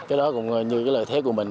cái đó cũng như lợi thế của mình